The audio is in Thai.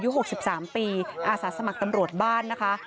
ใหญวหกสิบสามปีอาสาสมัครตำรวจบ้านนะคะ